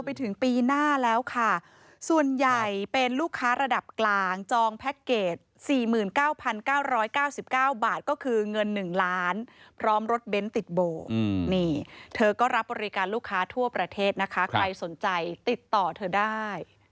ไปถึงปีหน้าแล้วค่ะส่วนใหญ่เป็นลูกค้าระดับกลางจองแพ็คเกจ๔๙๙๙๙บาทก็คือเงิน๑ล้านพร้อมรถเบ้นติดโบนี่เธอก็รับบริการลูกค้าทั่วประเทศนะคะใครสนใจติดต่อเธอได้